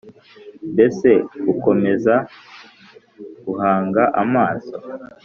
Mbese Ukomeza Guhanga Amaso